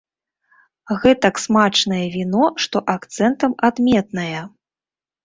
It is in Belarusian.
Гэтак смачнае віно, што акцэнтам адметнае.